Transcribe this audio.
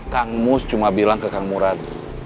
kang mus cuma bilang ke kang murad